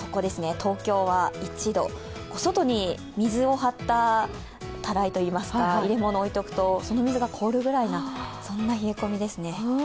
東京は１度、外に水を張ったたらいといいますか、入れ物を置いておくと、その水が凍るぐらいの冷え込みですね。